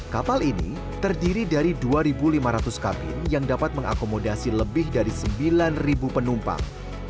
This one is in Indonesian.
kapal ini terdiri dari dua lima ratus kabin yang dapat mengakomodasi lebih dari sembilan penumpang